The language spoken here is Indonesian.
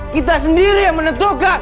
kita sendiri yang menentukan